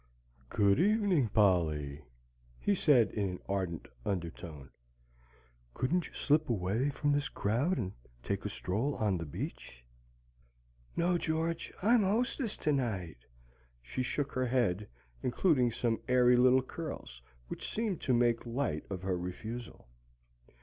"Good evening, Polly," he said in an ardent undertone. "Couldn't you slip away from this crowd and take a stroll on the beach?" "No, George; I'm hostess tonight." She shook her head, including some airy little curls, which seemed to make light of her refusal.